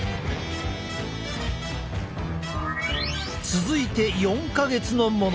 続いて４か月のもの。